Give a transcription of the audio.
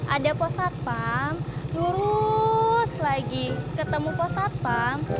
ada posat pump lurus lagi ketemu posat pump